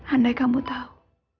andai kamu tau